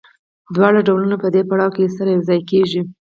دواړه ډولونه په دې پړاو کې سره یوځای کېږي